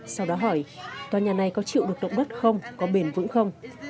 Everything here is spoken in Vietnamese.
sau đó hỏi tòa nhà này có chịu được động đất không có bền vững không